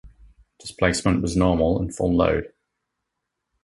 Displacement was normal and full load.